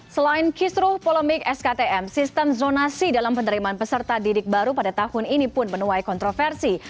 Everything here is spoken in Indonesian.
selain kisruh polemik sktm sistem zonasi dalam penerimaan peserta didik baru pada tahun ini pun menuai kontroversi